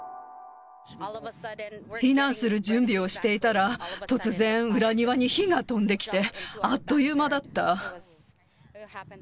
避難する準備をしていたら、突然、裏庭に火が飛んできて、あっという間だった。